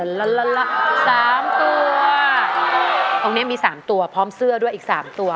ตรงนี้มี๓ตัวพร้อมเสื้อด้วยอีก๓ตัว